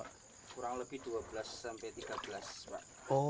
kurang lebih dua belas sampai tiga belas